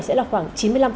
sẽ là khoảng chín mươi năm